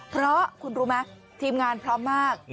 เพราะคุณรู้ไหมทีมงานพร้อมมาก